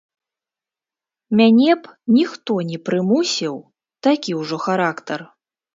Мяне б ніхто не прымусіў, такі ўжо характар.